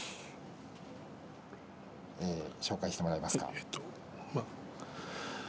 紹介してもらえますか。